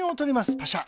パシャ。